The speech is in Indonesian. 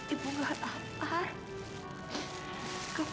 ibu buat apa